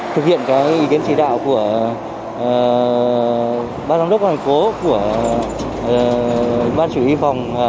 thực hiện ý kiến chỉ đạo của ban giám đốc thành phố ban chủ y phòng